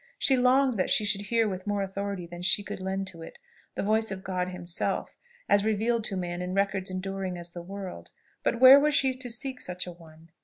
She longed that she should hear with more authority than she could lend to it, the voice of God himself, as revealed to man in records enduring as the world; but where was she to seek such a one?